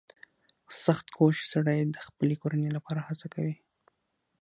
• سختکوش سړی د خپلې کورنۍ لپاره هڅه کوي.